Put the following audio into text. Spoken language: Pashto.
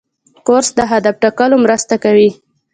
کورس د هدف ټاکلو مرسته کوي.